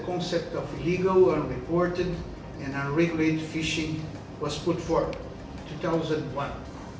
konsep ikan secara ilegal tidak dilaporkan dan tidak dilaporkan